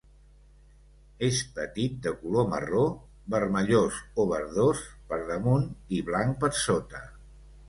És petit de color marró, vermellós o verdós per damunt i blanc per sota.